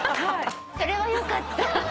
それはよかった。